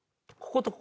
ここ。